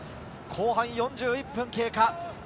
後半４１分経過。